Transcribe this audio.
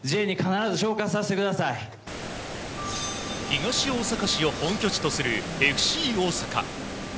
東大阪市を本拠地とするＦＣ大阪。